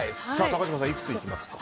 高嶋さん、いくついきますか？